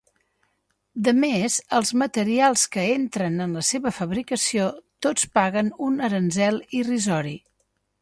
Demés, els materials que entren en la seva fabricació tots paguen un aranzel irrisori.